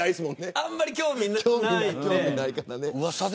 あんまり興味ないので。